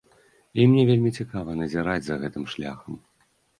І мне вельмі цікава назіраць за гэтым шляхам!